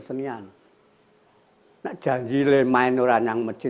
saya sudah berjanji dengan orang orang di masjid